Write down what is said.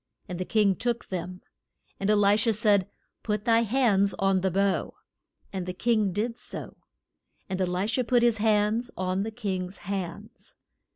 And the king took them. And E li sha said, Put thy hands on the bow. And the king did so, and E li sha put his hands on the king's hands.